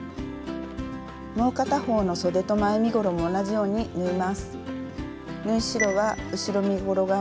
もう片方のそでと前身ごろも同じように縫います。